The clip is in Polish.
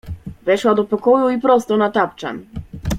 Weszła do pokoju i prosto na tapczan.